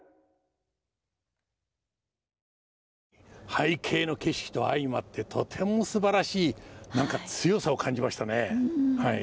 背景の景色と相まってとてもすばらしい何か強さを感じましたねはい。